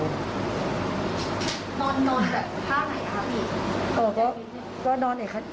นอนแบบสุภาพไหนครับอีก